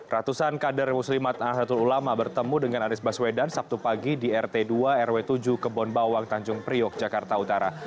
ratusan kader muslimat nahdlatul ulama bertemu dengan anies baswedan sabtu pagi di rt dua rw tujuh kebonbawang tanjung priok jakarta utara